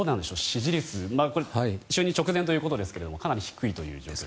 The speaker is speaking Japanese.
支持率就任直前ということですがかなり低いという状況です。